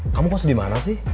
kamu kos dimana sih